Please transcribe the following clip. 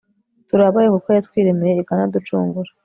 turi abayo kuko yatwiremeye ikanaducungura